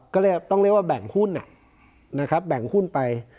ก็เลยต้องเรียกว่าแบ่งหุ้นนะครับแบ่งหุ้นไป